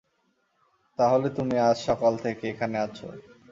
তাহলে, তুমি আজ সকাল থেকে এখানে আছো।